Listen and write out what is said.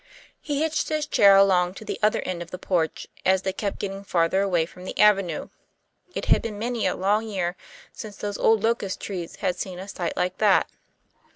He hitched his chair along to the other end of the porch as they kept getting farther away from the avenue. It had been many a long year since those old locust trees had seen a sight like that.